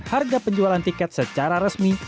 harga penjualan tiket secara resmi